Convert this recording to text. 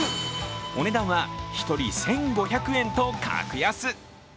お値段は１人１５００円と格安。